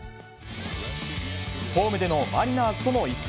ホームでのマリナーズとの一戦。